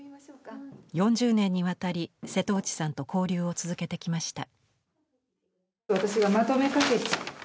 ４０年にわたり、瀬戸内さんと交流を続けてきました。